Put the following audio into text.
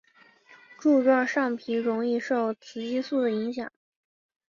柱状上皮容易受雌激素的影响。